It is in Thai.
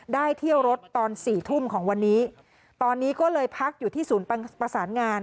เที่ยวรถตอนสี่ทุ่มของวันนี้ตอนนี้ก็เลยพักอยู่ที่ศูนย์ประสานงาน